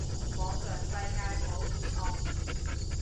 網上世界好險惡